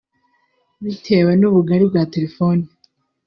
Bitewe n’ubugari bwa telefoni